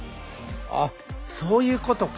あそういうことか。